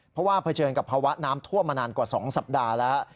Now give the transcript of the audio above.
เพราะว่าเผชิญกับภาวะน้ำท่วมมานานกว่า๒สัปดาห์แล้ว